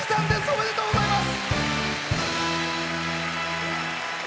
おめでとうございます。